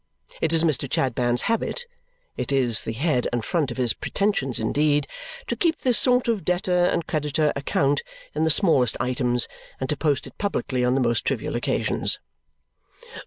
It is Mr. Chadband's habit it is the head and front of his pretensions indeed to keep this sort of debtor and creditor account in the smallest items and to post it publicly on the most trivial occasions.